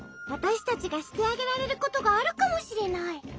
わたしたちがしてあげられることがあるかもしれない。